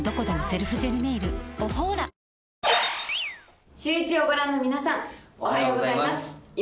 シューイチをご覧の皆さん、おはようございます。